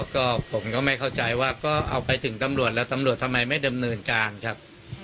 ก็ผมก็ไม่เข้าใจว่าก็เอาไปถึงตำรวจแล้วตำรวจทำไมไม่ดำเนินการครับ